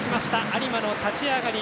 有馬の立ち上がり。